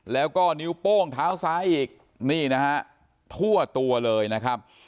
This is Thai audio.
แล้วก็นิ้วโป้งเท้าซ้ายอีกนี่นะฮะทั่วตัวเลยนะครับ